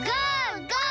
ゴー！